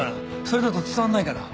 それだと伝わらないから。